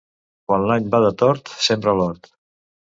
Quan l'any va de tort sembra l'hort.